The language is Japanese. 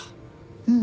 うん。